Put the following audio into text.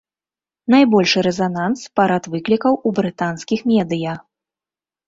Найбольшы рэзананс парад выклікаў у брытанскіх медыя.